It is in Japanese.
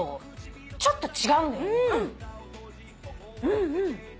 うんうん！